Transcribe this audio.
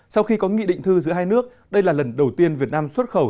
sau khi có nghị định thư giữa hai nước đây là lần đầu tiên việt nam xuất khẩu